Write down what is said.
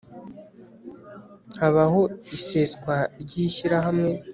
HABAHO ISESWA RY ISHYIRAHAMWE